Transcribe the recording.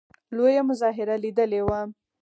لویه مظاهره لیدلې وه.